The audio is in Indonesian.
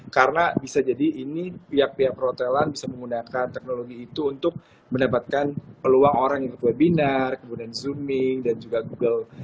karena bisa jadi ini pihak pihak perhotelan bisa menggunakan teknologi itu untuk mendapatkan peluang orang yang ke webinar kemudian zooming dan juga google